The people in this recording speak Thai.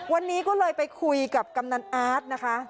วันนี้ก็เลยไปคุยกับกำนันอาร์ตนะคะ